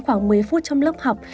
khoảng một mươi phút trong lớp học